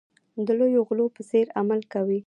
د لویو غلو په څېر عمل کوي.